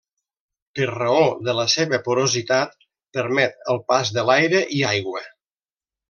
Per raó de la seva porositat permet el pas de l'aire i aigua.